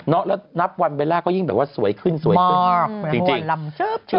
เนอะแล้วนับวันเวลาก็ยิ่งแบบว่าสวยขึ้นสวยขึ้นมากจริงจริงหัวลำเชิบเชิบเชิบ